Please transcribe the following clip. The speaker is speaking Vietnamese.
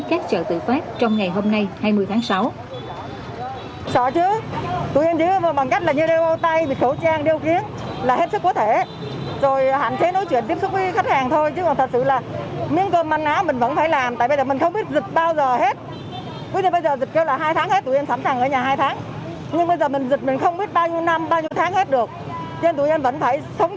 các chợ tự phát trong ngày hôm nay hai mươi tháng sáu